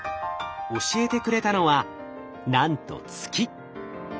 教えてくれたのはなんと月。